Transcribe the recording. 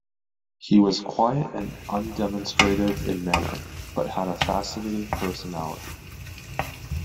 He was quiet and undemonstrative in manner, but had a fascinating personality.